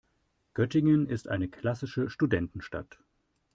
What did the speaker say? Göttingen ist eine klassische Studentenstadt.